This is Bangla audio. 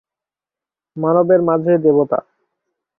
মানবের মাঝে দেবতা!